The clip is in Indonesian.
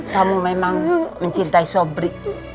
kamu memang mencintai sobri